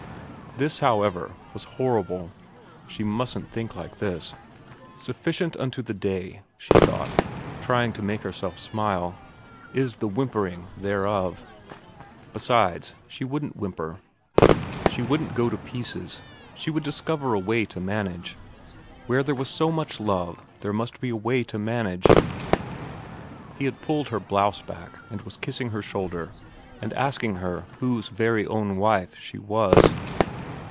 This, however, was horrible. She mustn't think like this. Sufficient unto the day, she thought, trying to make herself smile, is the whimpering thereof. Besides, she wouldn't whimper, she wouldn't go to xxm VERA 251 pieces, she would discover a way to manage. Where there was so much love there must be a way to manage. He had pulled her blouse back, and was kissing her shoulder and asking her whose very own wife she was.